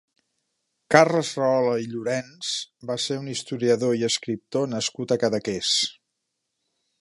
Carles Rahola i Llorens va ser un historiador i escriptor nascut a Cadaqués.